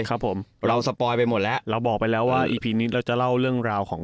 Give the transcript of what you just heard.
ครับผมเราสปอยไปหมดแล้วเราบอกไปแล้วว่าอีพีนี้เราจะเล่าเรื่องราวของ